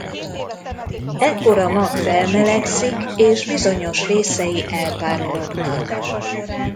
Ekkor a mag felmelegszik és bizonyos részei elpárolognak.